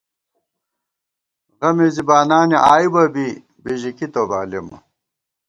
غمےزی بانانےآئیبہ بی، بِژِکی تو بالېمہ